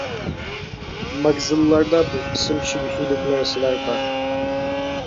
ماگىزىنلاردا بىر قىسىم شۈبھىلىك نەرسىلەر بار.